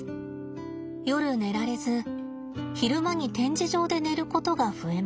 夜寝られず昼間に展示場で寝ることが増えました。